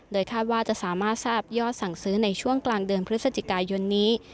คาดว่าจะสามารถทราบยอดสั่งซื้อในช่วงกลางเดือนพฤศจิกายนนี้